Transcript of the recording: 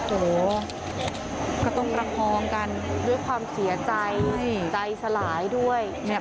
โอ้โหก็ต้องประคองกันด้วยความเสียใจใจสลายด้วยเนี่ย